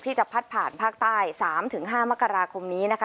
จะพัดผ่านภาคใต้๓๕มกราคมนี้นะคะ